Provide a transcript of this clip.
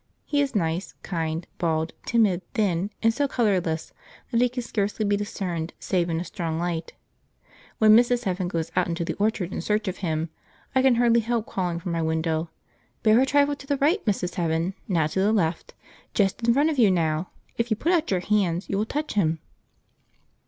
He is nice, kind, bald, timid, thin, and so colourless that he can scarcely be discerned save in a strong light. When Mrs. Heaven goes out into the orchard in search of him, I can hardly help calling from my window, "Bear a trifle to the right, Mrs. Heaven now to the left just in front of you now if you put out your hands you will touch him."